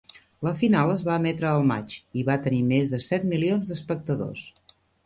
La final es va emetre al maig i va tenir més de set milions d'espectadors.